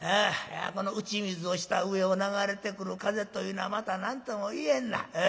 この打ち水をした上を流れてくる風というのはまたなんとも言えんな。